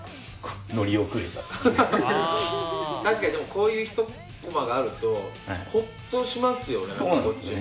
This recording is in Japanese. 確かにでもこういうひとコマがあるとホッとしますよねこっちも。